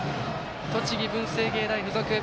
栃木、文星芸大付属。